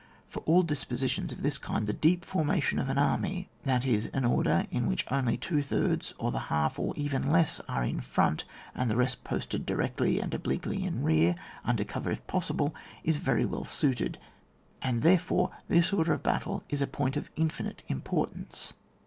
For all disposi tions of this kind, the deep formation of an army, that is an order in which only two thirds or the half, or even less, are in frt>nt, and the rest posted directly and obliquely in rear, under cover if possible, is very well suited ; and, there fore, this order of battle is a point of infinite importance.